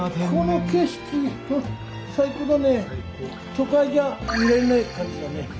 都会じゃ見られない感じだね。